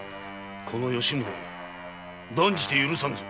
この吉宗断じて許さんぞ！